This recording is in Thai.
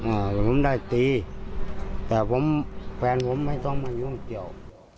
อ่าแต่ผมได้ตีแต่ผมแฟนผมไม่ต้องมายุ่งเกี่ยว